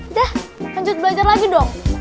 dah lanjut belajar lagi dong